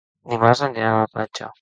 Dimarts aniran a la platja.